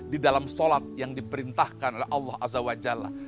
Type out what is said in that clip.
di dalam sholat yang diperintahkan oleh allah azawajallah